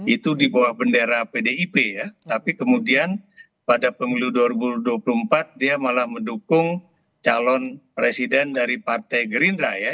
itu di bawah bendera pdip ya tapi kemudian pada pemilu dua ribu dua puluh empat dia malah mendukung calon presiden dari partai gerindra ya